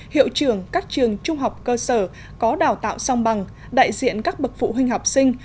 hiệu trưởng các trường trung học cơ sở có đào tạo song bằng đại diện các bậc phụ huynh học sinh